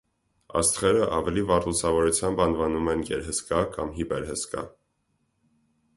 Աստղերը՝ ավելի վառ լուսավորությամբ անվանում են գերհսկա կամ հիպերհսկա։